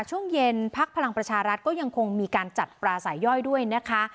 ช่วงเย็นพักพลังประชารัฐก็ยังคงมีการจัดปลาสายย่อยด้วยนะคะ